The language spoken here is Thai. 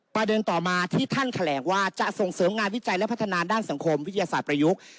ประเด็นต่อมาที่ท่านแถลงว่าจะส่งเสริมงานวิจัยและพัฒนาด้านสังคมวิทยาศาสตร์ประยุกต์